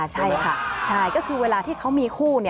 ใช่ค่ะใช่ก็คือเวลาที่เขามีคู่